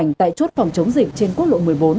hình ảnh tại chốt phòng chống dịch trên quốc lộ một mươi bốn